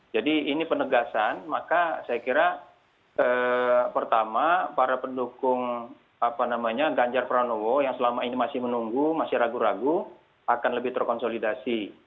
jadi ini penegasan maka saya kira pertama para pendukung ganjar prabowo yang selama ini masih menunggu masih ragu ragu akan lebih terkonsolidasi